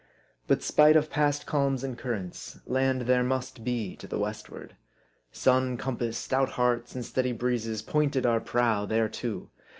But spite of past calms and currents, land there must be to the westward. Sun, compass, stout hearts, and steady breezes, pointed our prow thereto.